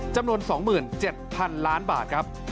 จำนวน๒๗๐๐๐ล้านบาทครับ